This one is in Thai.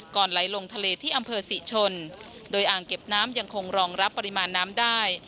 ไหลลงทะเลที่อำเภอศรีชนโดยอ่างเก็บน้ำยังคงรองรับปริมาณน้ำได้